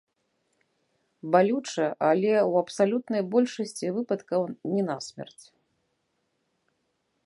Балюча, але ў абсалютнай большасці выпадкаў не насмерць.